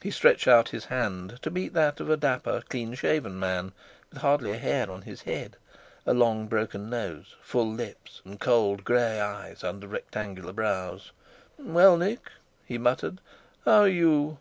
He stretched out his hand to meet that of a dapper, clean shaven man, with hardly a hair on his head, a long, broken nose, full lips, and cold grey eyes under rectangular brows. "Well, Nick," he muttered, "how are you?"